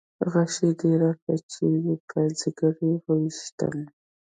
غشی دې راکړه چې په ځګر یې وویشتم.